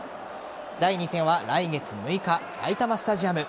第２戦は来月６日埼玉スタジアム。